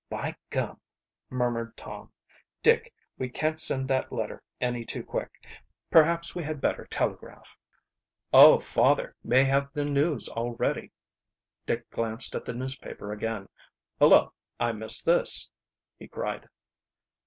"By gum!" murmured Tom. "Dick, we can't send that letter any too quick. Perhaps we had better telegraph." "Oh, father may have the news already." Dick glanced at the newspaper again. "Hullo, I missed this," he cried.